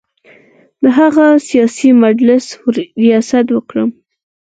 د هغه سیاسي مجلس ریاست وکړم.